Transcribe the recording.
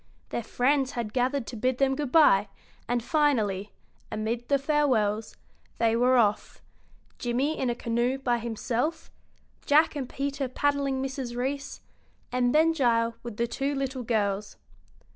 Their friends had gathered to bid them good bye, and finally, amid the farewells, they were off, Jimmie in a canoe by himself, Jack and Peter paddling Mrs. Reece, and Ben Gile with the two little girls.